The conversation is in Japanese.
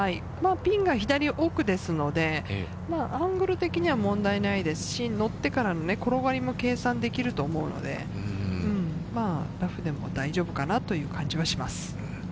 ピンが左奥ですので、アングル的には問題ないですし、乗ってからの転がりも計算できると思うのでラフでも大丈夫かなという感じはします。